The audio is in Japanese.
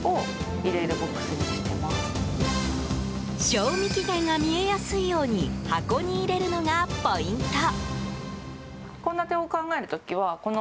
賞味期限が見えやすいように箱に入れるのがポイント。